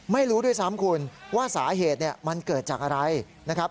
ไม่รู้ด้วยซ้ำคุณว่าสาเหตุมันเกิดจากอะไรนะครับ